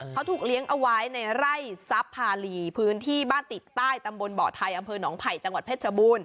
เขาถูกเลี้ยงเอาไว้ในไร่ซับพาลีพื้นที่บ้านติดใต้ตำบลบ่อไทยอำเภอหนองไผ่จังหวัดเพชรชบูรณ